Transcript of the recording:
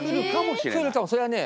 来るかもそれはね